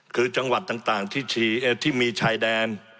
คือจังหวัดต่างที่มีชายแดน